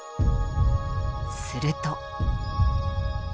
すると。